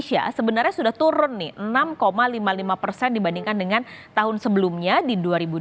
indonesia sebenarnya sudah turun nih enam lima puluh lima persen dibandingkan dengan tahun sebelumnya di dua ribu dua puluh